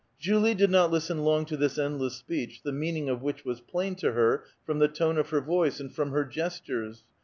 Julio did not listen long to this endless S[)eech, the mean ing of which was plain to her from the tone of her voice, and from her gestuivs.